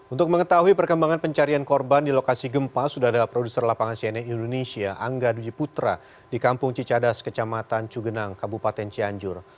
untuk mengetahui perkembangan pencarian korban di lokasi gempa sudah ada produser lapangan cnn indonesia angga dwi putra di kampung cicadas kecamatan cugenang kabupaten cianjur